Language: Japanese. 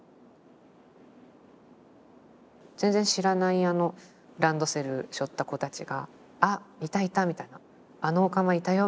全然知らないランドセルしょった子たちが「あっいたいた」みたいな「あのオカマいたよ」